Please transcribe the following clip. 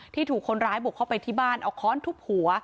ถูกคนร้ายบุกเข้าไปที่บ้านเอาค้อนทุบหัว